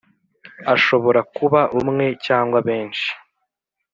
. Ashobora kuba umwe cyangwa benshi.